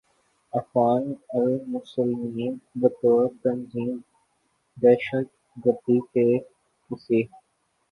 اخوان المسلمین بطور تنظیم دہشت گردی کے کسی